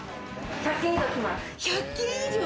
１００件以上来ます。